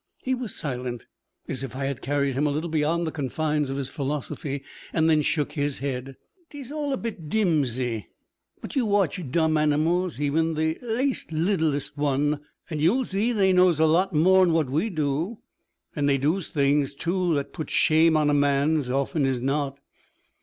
He was silent, as if I had carried him a little beyond the confines of his philosophy; then shook his head. ''T es all a bit dimsy. But you watch dumb animals, even the laste littlest one, an' yu'll zee they knows a lot more'n what we du; an' they du's things tu that putts shame on a man 's often as not.